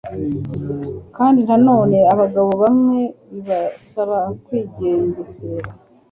kandi nanone abagabo bamwe bibasaba kwigengesera